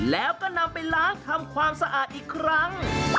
แล้วก็นำไปล้างทำความสะอาดอีกครั้ง